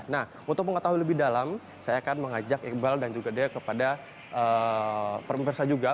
nah untuk mengetahui lebih dalam saya akan mengajak iqbal dan juga dea kepada pemirsa juga